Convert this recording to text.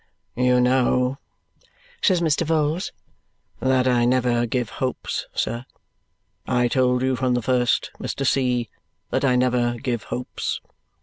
"You know," says Mr. Vholes, "that I never give hopes, sir. I told you from the first, Mr. C., that I never give hopes.